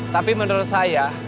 tapi menurut saya